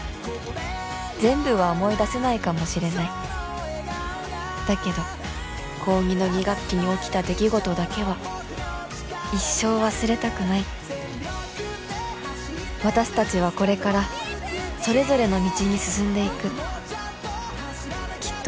全部は思い出せないかもしれないだけど高２の２学期に起きた出来事だけは一生忘れたくない私達はこれからそれぞれの道に進んでいくきっと